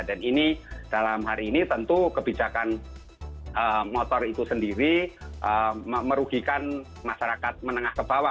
dan ini dalam hari ini tentu kebijakan motor itu sendiri merugikan masyarakat menengah ke bawah